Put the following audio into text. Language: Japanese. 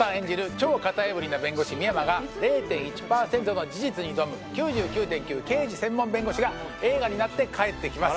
超型破りな弁護士深山が０．１パーセントの事実に挑む「９９．９−刑事専門弁護士−」が映画になって帰ってきます